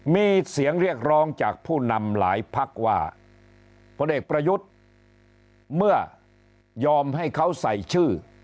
มีเสียงเรียกร้องจากผู้นำหลายพักว่าพลเอกประยุทธ์เมื่อยอมให้เขาใส่ชื่อ